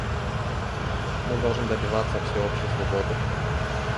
Мы должны добиваться всеобщей свободы.